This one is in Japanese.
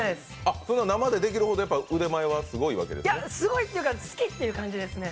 生でできるほど腕前がすごいわけですね？